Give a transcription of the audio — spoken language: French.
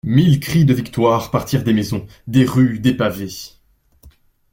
Mille cris de victoire partirent des maisons, des rues des pavés.